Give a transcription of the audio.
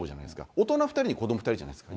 大人２人に子ども２人じゃないですか。